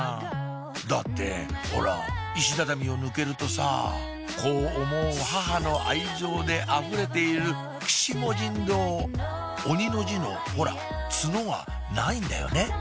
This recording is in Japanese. だってほら石畳を抜けるとさ子を思う母の愛情であふれている「鬼」の字のほらツノがないんだよね